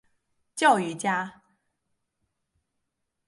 教育家。